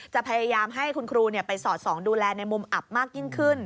จะพยายามให้คุณครูไปสอดส่องดูแลในมุมอับมากยิ่งขึ้น